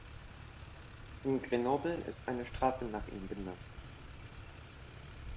In Grenoble ist eine Straße nach ihm benannt.